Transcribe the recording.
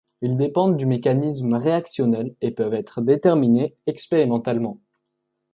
Ils dépendent du mécanisme réactionnel et peuvent être déterminés expérimentalement.